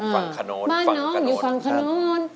บ้านน้องอยู่ฟังขนโน้น